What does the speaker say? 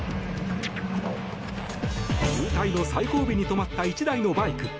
渋滞の最後尾に止まった１台のバイク。